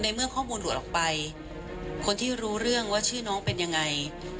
เมื่อข้อมูลหลุดออกไปคนที่รู้เรื่องว่าชื่อน้องเป็นยังไง